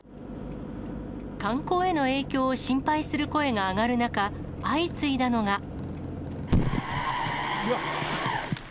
観光への影響を心配する声が上がる中、相次いだのが。